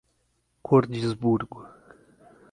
Cordisburgo